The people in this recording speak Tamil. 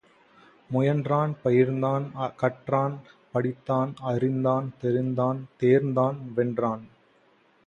முயன்றான், பயின்றான், கற்றான், படித்தான், அறிந்தான், தெரிந்தான், தேர்ந்தான், வென்றான்.